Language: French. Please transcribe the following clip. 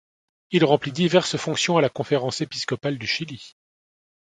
Il remplit diverses fonctions à la conférence épiscopale du Chili.